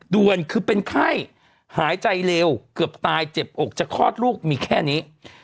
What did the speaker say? ด่วนคือเป็นไข้หายใจเร็วเกือบตายเจ็บอกจะคลอดลูกมีแค่นี้